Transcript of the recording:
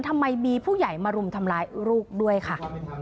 ทำไมมีผู้ใหญ่มารุมทำร้ายลูกด้วยค่ะ